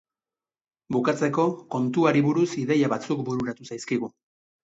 Bukatzeko, kontuari buruz ideia batzuk bururatu zaizkigu.